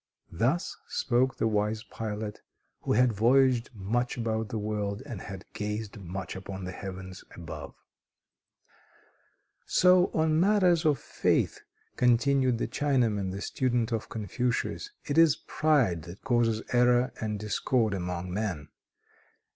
Thus spoke the wise pilot, who had voyaged much about the world, and had gazed much upon the heavens above. "So on matters of faith," continued the Chinaman, the student of Confucius, "it is pride that causes error and discord among men.